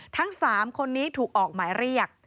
ทั้ง๓คนนี้ถูกออกหมายเรียก